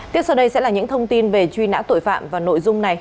tiếp sau đây sẽ là những thông tin về truy nã tội phạm và nội dung này